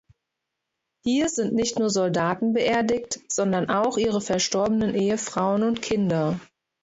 Hier sind nicht nur Soldaten beerdigt, sondern auch ihre verstorbenen Ehefrauen und Kinder.